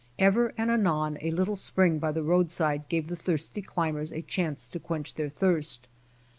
Ever and anon a little spring by the roadside gave the thirsty climb ers a chance to quench their thirst.